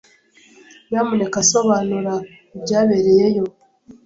Nyamuneka sobanura ibyabereyeyo.